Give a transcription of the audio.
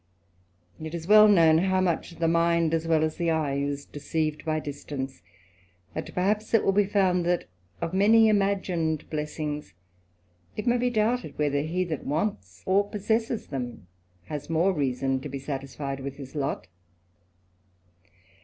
It is well known, how much the mind, as well as* the eye, is deceived by distance \ and, perhaps, it will found, that of many imagined blessings it may be doubtedy. whether he that wants or possesses them has more reason be satisfied with his lot.